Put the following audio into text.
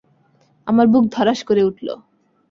আমার বুক ধড়াস করে উঠল।